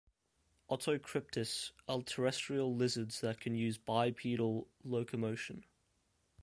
"Otocryptis" are terrestrial lizards that can use bipedal locomotion.